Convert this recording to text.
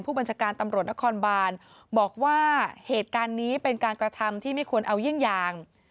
บัญชาการตำรวจนครบานบอกว่าเหตุการณ์นี้เป็นการกระทำที่ไม่ควรเอาเยี่ยงอย่าง